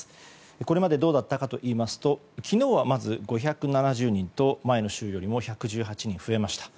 これまでどうだったかといいますと昨日はまず５７０人と前の週よりも１１８人増えました。